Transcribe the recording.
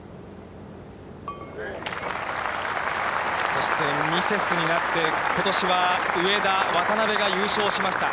そして、ミセスになって、ことしは上田、渡邉が優勝しました。